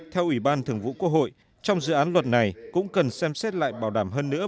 theo ủy ban thường vụ quốc hội trong dự án luật này cũng cần xem xét lại bảo đảm hơn nữa